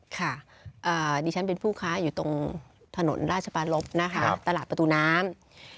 ค่ะดิฉันเป็นผู้ค้าอยู่ตรงถนนราชปารพนะคะตลาดประตูน้ำ